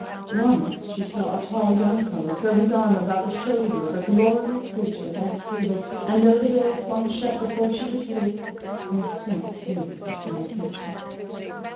Once she saw a tall young fellow throw his arm about the shoulder of a glorious creature at the next table, and though the door swung shut before she could see it, Miss Fink knew that he had kissed her.